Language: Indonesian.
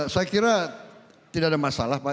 saya kira tidak ada masalah pak